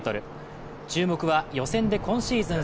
注目は、予選で今シーズン